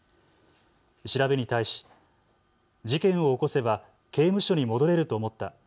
調べに対し事件を起こせば刑務所に戻れると思った。